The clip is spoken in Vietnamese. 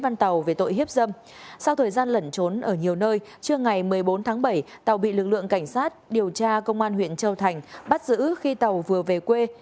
sau thời gian lẩn trốn ở nhiều nơi trưa ngày một mươi bốn tháng bảy tàu bị lực lượng cảnh sát điều tra công an huyện châu thành bắt giữ khi tàu vừa về quê